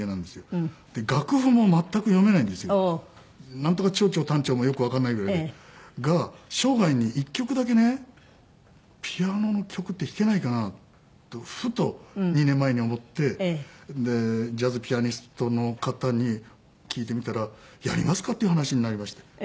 なんとか長調短調もよくわからないぐらい。が生涯に１曲だけねピアノの曲って弾けないかなとふと２年前に思ってでジャズピアニストの方に聞いてみたらやりますかっていう話になりまして。